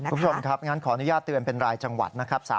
คุณผู้ชมครับอย่างนั้นขออนุญาตเตือนเป็นรายจังหวัด